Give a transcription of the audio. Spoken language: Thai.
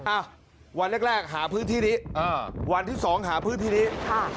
อ่ะวันแรกหาพื้นที่นี้วันที่สองหาพื้นที่นี้ค่ะ